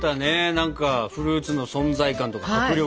何かフルーツの存在感とか迫力がね。